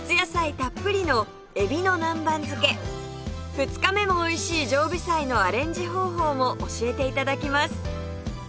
二日目もおいしい常備菜のアレンジ方法も教えて頂きます